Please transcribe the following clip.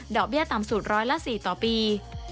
ดอกเบี้ยต่ำสุด๑๐๔ต่อปี